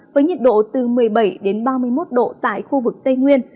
với nhiệt độ từ một mươi bảy đến ba mươi một độ tại khu vực tây nguyên